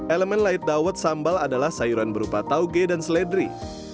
elemen light dawet sambal adalah sayuran berupa tauge dan seledri